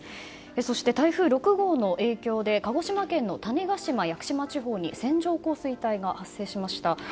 そして、台風６号の影響で鹿児島県の種子島、屋久島地方に線状降水帯が発生しました。